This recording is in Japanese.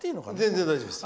全然大丈夫です。